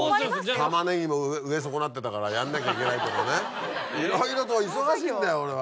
タマネギも植え損なってたからやんなきゃいけないとかねいろいろと忙しいんだよ俺は。